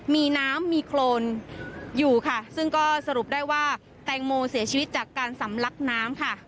มีน้ำมีโครนอยู่ค่ะซึ่งก็สรุปได้ว่าแตงโมเสียชีวิตจากการสำลักน้ำค่ะ